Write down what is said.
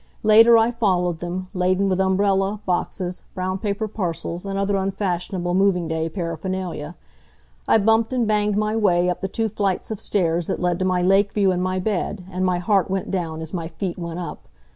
Later I followed them, laden with umbrella, boxes, brown paper parcels, and other unfashionable moving day paraphernalia. I bumped and banged my way up the two flights of stairs that led to my lake view and my bed, and my heart went down as my feet went up.